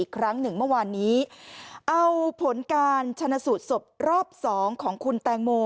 ครั้งหนึ่งเมื่อวานนี้เอาผลการชนะสูตรศพรอบสองของคุณแตงโม